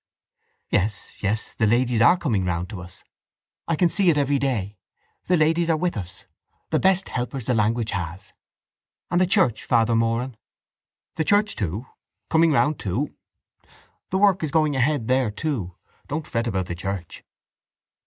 —Yes, yes, the ladies are coming round to us. I can see it every day. The ladies are with us. The best helpers the language has. —And the church, Father Moran? —The church too. Coming round too. The work is going ahead there too. Don't fret about the church.